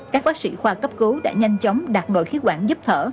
các bác sĩ khoa cấp cứu đã nhanh chóng đặt nội khí quản giúp thở